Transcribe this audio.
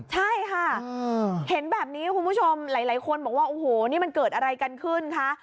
ใช่ค่ะเห็นแบบนี้คุณผู้ชมหลายคนบอกว่าโอ้โหนี่มันเกิดอะไรกันขึ้นคะ